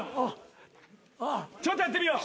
ちょっとやってみよう。